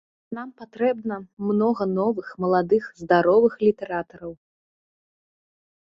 Нам патрэбна многа новых маладых, здаровых літаратараў.